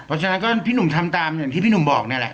เพราะฉะนั้นก็พี่หนุ่มทำตามอย่างที่พี่หนุ่มบอกนี่แหละ